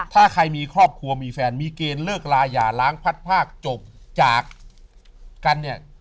ถ้าใครมีครอบครัวมีแฟนมีเกณฑ์เลิกลาอย่าล้างพัดภาคจบจากกันเนี่ย